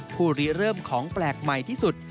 ผู้รีเริ่มของแปลกใหม่ที่สุด